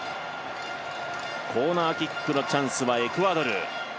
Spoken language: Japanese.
コーナーキックのチャンスエクアドル。